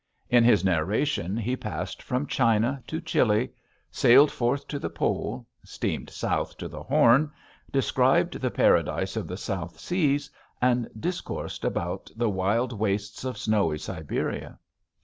In his narration he passed from China to Chili, sailed north to the Pole, steamed south to the Horn, described the paradise of the South Seas, and discoursed about the wild wastes of snowy Siberia.